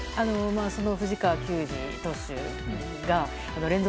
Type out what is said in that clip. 藤川球児投手が連続